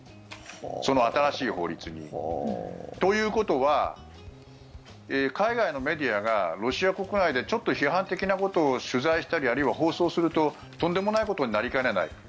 その新しい法律に。ということは海外のメディアがロシア国内でちょっと批判的なことを取材したりあるいは放送するととんでもないことになりかねない。